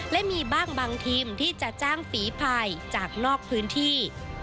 และมีบ้างบางทีมที่จะจ้างฝีภายจากนอกพื้นที่